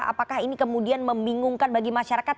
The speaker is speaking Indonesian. apakah ini kemudian membingungkan bagi masyarakat